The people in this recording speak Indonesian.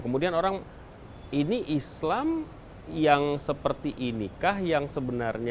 kemudian orang ini islam yang seperti ini kah yang sebenarnya